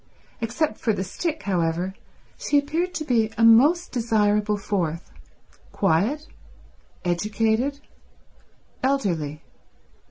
Except for the stick, however, she appeared to be a most desirable fourth—quiet, educated, elderly.